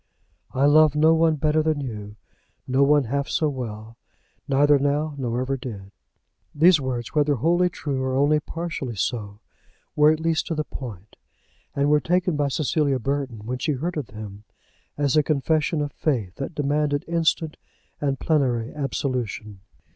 "I love no one better than you; no one half so well, neither now, nor ever did." These words, whether wholly true or only partially so, were at least to the point; and were taken by Cecilia Burton, when she heard of them, as a confession of faith that demanded instant and plenary absolution.